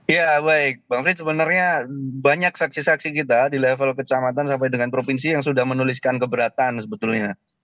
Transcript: ya baik bang frits sebenarnya banyak saksi saksi kita di level kecamatan sampai dengan provinsi yang sudah menuliskan keberatan sebetulnya